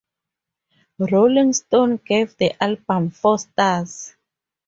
"Rolling Stone" gave the album four stars.